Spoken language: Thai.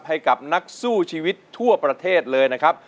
ให้กับนักสู้ชีวิตทั่วประเทศเลยนะครับ